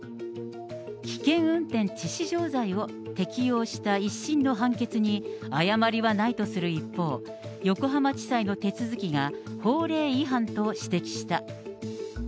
危険運転致死傷罪を適用した１審の判決に誤りはないとする一方、横浜地裁の手続きが法令違反と指摘した。